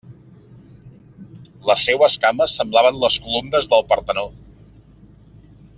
Les seues cames semblaven les columnes del Partenó.